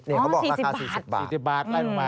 เขาบอกราคา๔๐บาท๔๐บาทได้ลงไป